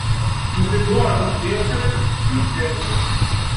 Nteddu ɣer tiẓgi akken ad d-nekkes tujjal.